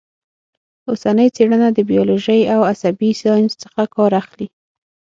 اوسنۍ څېړنه د بیولوژۍ او عصبي ساینس څخه کار اخلي